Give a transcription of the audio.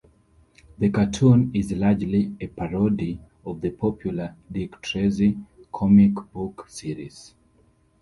The cartoon is largely a parody of the popular "Dick Tracy" comic book series.